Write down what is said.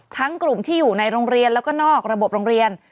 กลุ่มที่อยู่ในโรงเรียนแล้วก็นอกระบบโรงเรียน